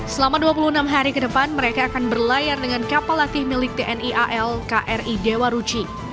selama dua puluh enam hari ke depan mereka akan berlayar dengan kapal latih milik tni al kri dewa ruchi